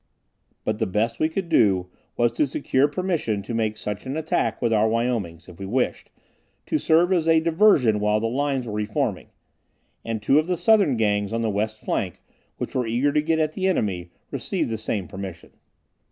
But the best we could do was to secure permission to make such an attack with our Wyomings, if we wished, to serve as a diversion while the lines were reforming. And two of the southern Gangs on the west flank, which were eager to get at the enemy, received the same permission.